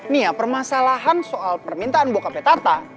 nih ya permasalahan soal permintaan bokapnya tata